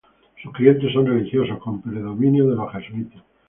Sus clientes son religiosos, con predominio de los jesuitas.